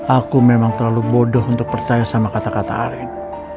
aku memang terlalu bodoh untuk percaya sama kata kata arief